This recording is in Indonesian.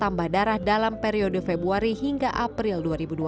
tambah darah dalam periode februari hingga april dua ribu dua puluh